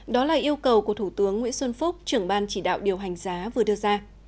đó là yêu cầu của thủ tướng nguyễn xuân phúc trưởng ban chỉ đạo điều hành giá vừa đưa ra